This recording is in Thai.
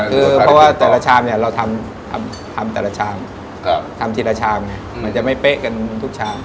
คือเพราะว่าแต่ละชามเนี่ยเราทำแต่ละชามทำทีละชามไงมันจะไม่เป๊ะกันทุกชาม